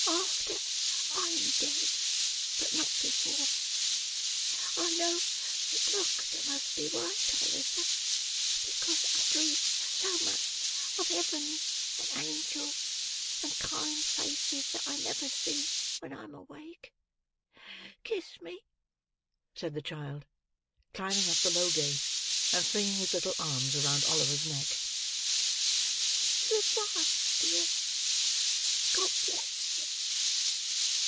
"After I am dead, but not before. I know the doctor must be right, Oliver, because I dream so much of Heaven, and Angels, and kind faces that I never see when I am awake. Kiss me," said the child, climbing up the low gate, and flinging his little arms round Oliver's neck. "Good b'ye, dear! God bless you!"